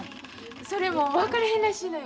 それも分かれへんらしいのよ。